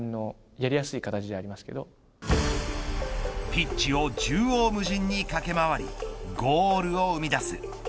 ピッチを縦横無尽に駆け回りゴールを生み出す。